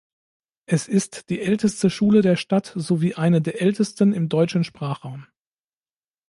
Es ist die älteste Schule der Stadt sowie eine der ältesten im deutschen Sprachraum.